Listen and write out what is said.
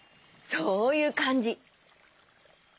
そういうかんじ。